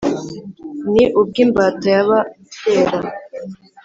ni ubw’imbata y’aba kera